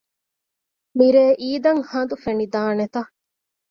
މިރޭ އީދަށް ހަނދު ފެނިދާނެތަ؟